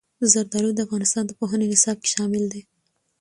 زردالو د افغانستان د پوهنې نصاب کې شامل دي.